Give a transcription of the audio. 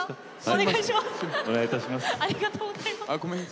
お願いいたします。